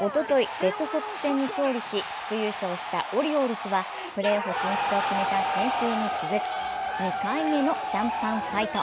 おとといレッドソックス戦に勝利し地区優勝したオリオールズはプレーオフ進出を決めた先週に続き２回目のシャンパンファイト。